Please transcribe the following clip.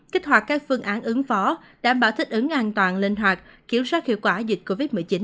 kích hoạt các phương án ứng phó đảm bảo thích ứng an toàn linh hoạt kiểm soát hiệu quả dịch covid một mươi chín